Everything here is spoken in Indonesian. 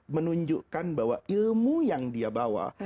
menunjukkan bahwa ilmu yang dia bawa